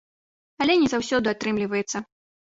Але не заўсёды атрымліваецца.